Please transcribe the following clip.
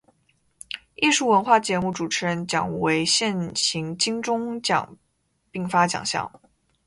艺术文化节目主持人奖为现行金钟奖颁发奖项。